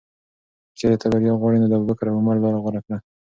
که چېرې ته بریا غواړې، نو د ابوبکر او عمر لاره غوره کړه.